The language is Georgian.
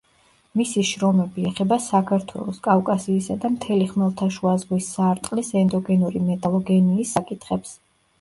მისი შრომები ეხება საქართველოს, კავკასიისა და მთელი ხმელთაშუა ზღვის სარტყლის ენდოგენური მეტალოგენიის საკითხებს.